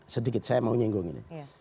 sedikit saya mau nyinggung ini